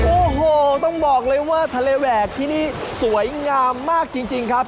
โอ้โหต้องบอกเลยว่าทะเลแหวกที่นี่สวยงามมากจริงครับ